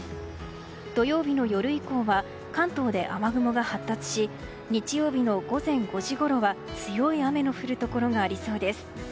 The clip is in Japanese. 土曜日の夜以降は関東で雨雲が発達し日曜日の午前５時ごろは強い雨の降るところがありそうです。